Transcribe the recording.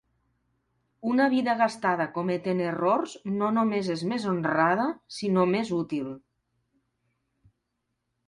Una vida gastada cometent errors no només és més honrada, sinó més útil.